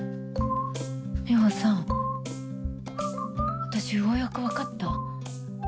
ミホさん私ようやく分かった。